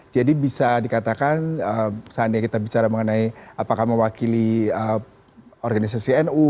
jadi bisa dikatakan saatnya kita bicara mengenai apakah mewakili organisasi nu